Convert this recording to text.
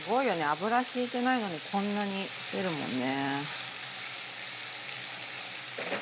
油引いてないのにこんなに出るもんね。